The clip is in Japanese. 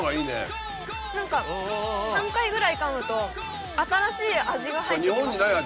何か３回ぐらいかむと新しい味が入ってきません？